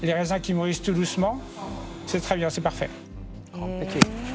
完璧。